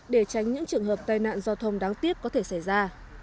để tránh những trường hợp tai nạn giao thông đáng tiếc có thể xảy ra